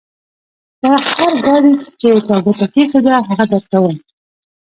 پر هر ګاډي چې تا ګوته کېښوده؛ هغه درکوم.